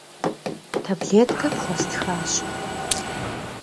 Tablêtke pxuestxaş.